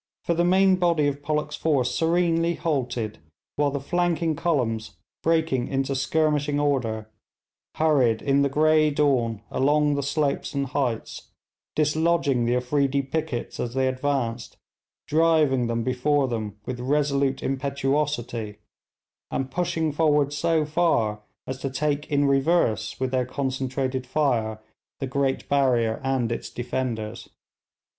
For the main body of Pollock's force serenely halted, while the flanking columns, breaking into skirmishing order, hurried in the grey dawn along the slopes and heights, dislodging the Afreedi pickets as they advanced, driving them before them with resolute impetuosity, and pushing forward so far as to take in reverse with their concentrated fire the great barrier and its defenders.